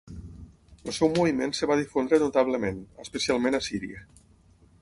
El seu moviment es va difondre notablement, especialment a Síria.